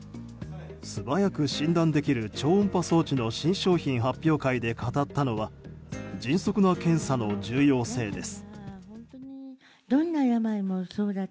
素早く診断できる超音波装置の新商品発表会で語ったのは迅速な検査の重要性です。